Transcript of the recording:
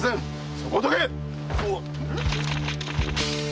そこをどけ！